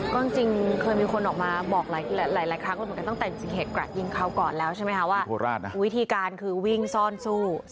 ก็จริงเคยมีคนออกมาบอกหลายครั้งแล้วเหมือนกันตั้งแต่เหตุกระดยิงเขาก่อนแล้วใช่ไหมคะว่าวิธีการคือวิ่งซ่อนสู้